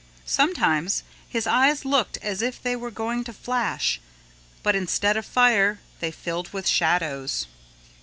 Sometimes his eyes looked as if they were going to flash, but instead of fire they filled with shadows.